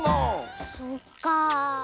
そっかあ。